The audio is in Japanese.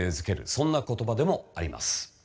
そんな言葉でもあります。